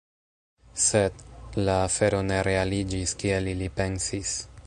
Sed, la afero ne realiĝis kiel ili pensis.